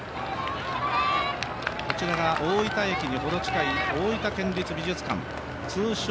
こちらが大分駅に程近い大分県立美術館、通称、